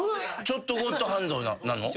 ちょっとゴッドハンドなの？